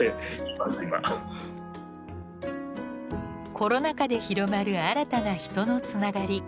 コロナ禍で広まる新たな人のつながり。